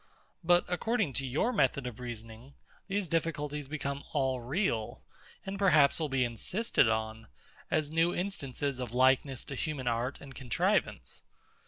But according to your method of reasoning, these difficulties become all real; and perhaps will be insisted on, as new instances of likeness to human art and contrivance.